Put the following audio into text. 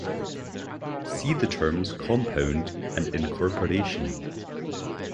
See the terms 'compund' and 'incorporation'.